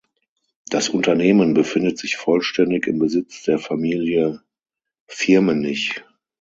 Das Unternehmen befindet sich vollständig im Besitz der Familie Firmenich.